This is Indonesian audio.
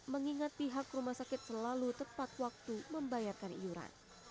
mengingat pihak rumah sakit selalu tepat waktu membayarkan iuran